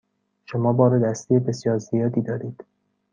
شما بار دستی بسیار زیادی دارید.